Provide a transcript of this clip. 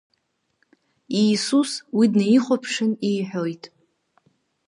Иисус уи днеихәаԥшын иҳәоит…